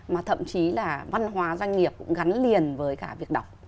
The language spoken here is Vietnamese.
mà thậm chí là văn hóa doanh nghiệp cũng gắn liền với cả việc đọc